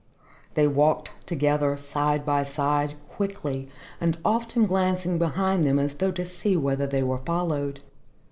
They walked together, side by side, quickly and often glancing behind them as though to see whether they were followed.